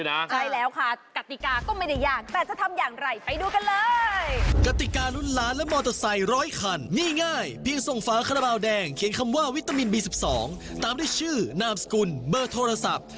นามสกุลเบอร์โทรศัพท์